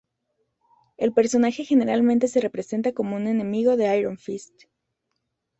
El personaje generalmente se representa como un enemigo de Iron Fist.